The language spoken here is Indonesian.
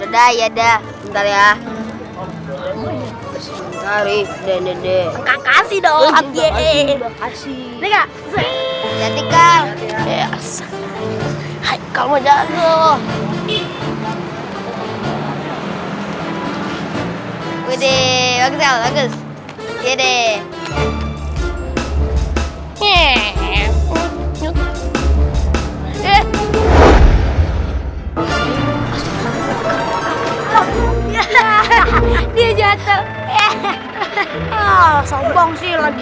dari tiga juga boleh